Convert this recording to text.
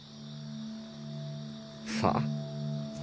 さあ？